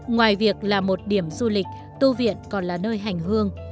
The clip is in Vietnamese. ngoài việc là một điểm du lịch tu viện còn là nơi hành hương